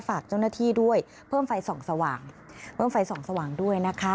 ฝากเจ้าหน้าที่ด้วยเพิ่มไฟ๒สว่างด้วยนะคะ